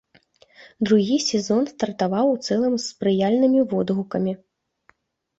Другі сезон стартаваў у цэлым з спрыяльнымі водгукамі.